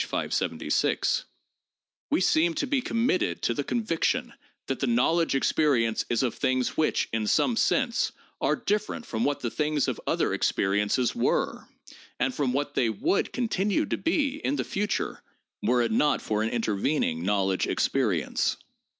576), we seem to be committed to the conviction that the knowledge experience is of things which, in some sense, are different from what the things of other experiences were, and from what they would continue to be in the future were it not for an intervening knowledge experience.